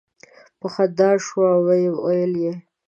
په خندا شو ویل یې.